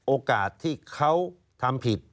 โอกาสที่เขาทำผิด